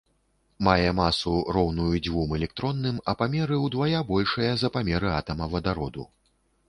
Мае масу, роўную дзвюм электронным, а памеры ўдвая большыя за памеры атама вадароду.